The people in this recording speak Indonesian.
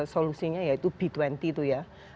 solusinya yaitu b dua puluh itu ya